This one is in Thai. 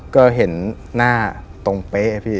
ก็เห็นหน้าตรงเป๊ะพี่